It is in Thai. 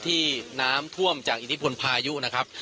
ที่น้ำท่วมจากอิทธิพลพายุนะครับ